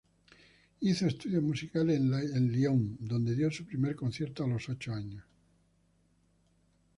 Hizo estudios musicales en Lyon, donde dio su primer concierto a los ocho años.